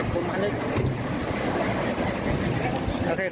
บัยบาลอย่าตาย